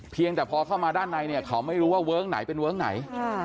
เพียงแต่พอเข้ามาด้านในเนี่ยเขาไม่รู้ว่าเวิ้งไหนเป็นเวิ้งไหน